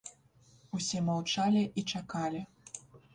Усе маўчалі і чакалі.